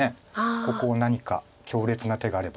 ここを何か強烈な手があれば。